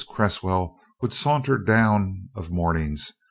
Cresswell would saunter down of mornings.